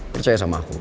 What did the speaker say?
percaya sama aku